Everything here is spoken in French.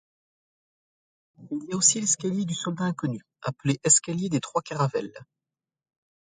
Il y a aussi l'escalier du soldat inconnu, appelé escalier des trois Caravelles.